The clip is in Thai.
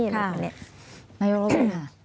นายกรุงค่ะ